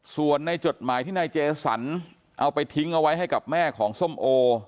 ส่วนในจดหมายที่นายเจสันเอาไปทิ้งเอาไว้ให้กับแม่ของส้มโอ